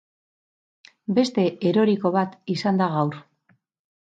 Beste eroriko bat izan da gaur.